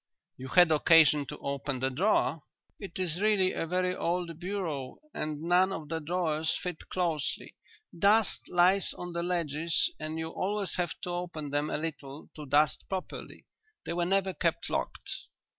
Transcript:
"You had occasion to open the drawer?" "It is really a very old bureau and none of the drawers fit closely. Dust lies on the ledges and you always have to open them a little to dust properly. They were never kept locked."